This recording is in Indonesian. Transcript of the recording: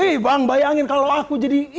ih bang bayangkan kalau aku jadi